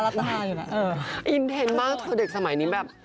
อย่างนี้เยอะมากเด็กสมัยนี้แบบ